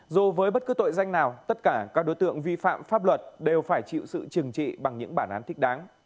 dù với bất cứ tội danh nào tất cả các đối tượng vi phạm pháp luật đều phải chịu sự trừng trị bằng những bản án thích đáng